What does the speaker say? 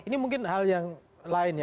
ini mungkin hal yang lain ya